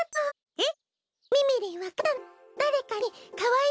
えっ？